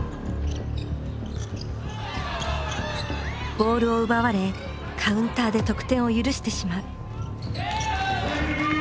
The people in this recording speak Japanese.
ボールを奪われカウンターで得点を許してしまう。